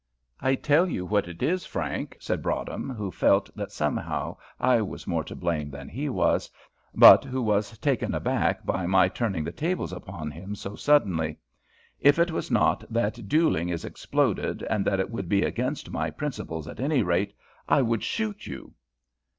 "I tell you what it is, Frank," said Broadhem, who felt that somehow I was more to blame than he was, but who was taken aback by my turning the tables upon him so suddenly; "if it was not that duelling is exploded, and that it would be against my principles at any rate, I would shoot you."